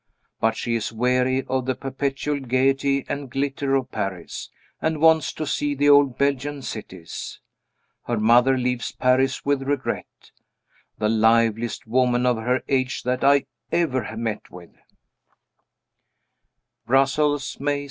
But she is weary of the perpetual gayety and glitter of Paris, and wants to see the old Belgian cities. Her mother leaves Paris with regret. The liveliest woman of her age that I ever met with. Brussels, May 7.